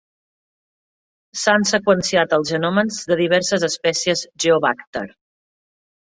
S'han seqüenciat els genomes de diverses espècies "Geobàcter".